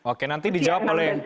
oke nanti dijawab oleh